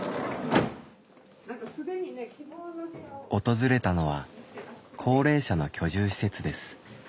訪れたのは高齢者の居住施設です。